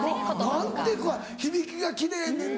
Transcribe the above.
何て響きが奇麗ねん！